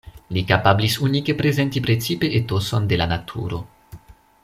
Li kapablis unike prezenti precipe etoson de la naturo.